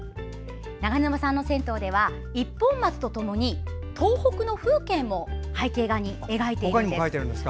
長沼さんの銭湯では一本松とともに東北の風景も背景画に描いているんです。